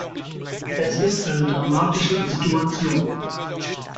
Es ist eine dramatische Situation.